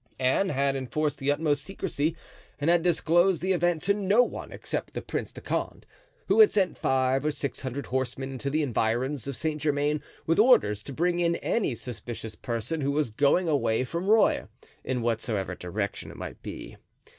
Anne had enforced the utmost secrecy and had disclosed the event to no one except the Prince de Condé, who had sent five or six hundred horsemen into the environs of Saint Germain with orders to bring in any suspicious person who was going away from Rueil, in whatsoever direction it might be.